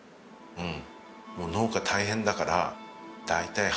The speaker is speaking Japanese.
うん。